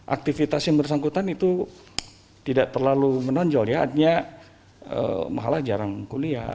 aktivitas yang bersangkutan itu tidak terlalu menonjol ya artinya malah jarang kuliah